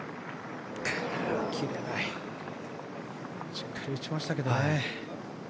しっかり打ちましたけどね。